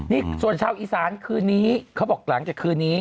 นี่ส่วนชาวอีสานคืนนี้เขาบอกหลังจากคืนนี้